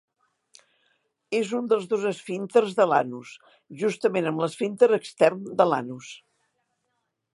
És un dels dos esfínters de l'anus, juntament amb l'esfínter extern de l'anus.